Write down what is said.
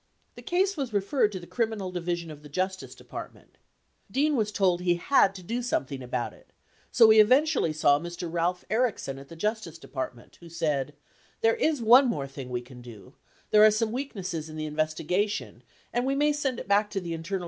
The case was referred to the Criminal Division of the Justice Department. Dean was told he had to do something about it, so he eventually saw Mr. Ralph Erickson at the Justice Department, who said "there is one more thing we can do ; there are some weaknesses in the investigation and we may send it back to the Internal.